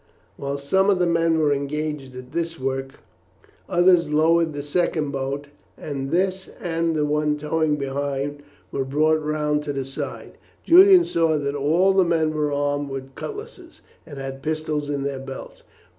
While some of the men were engaged at this work, others lowered the second boat, and this, and the one towing behind, were brought round to the side. Julian saw that all the men were armed with cutlasses, and had pistols in their belts.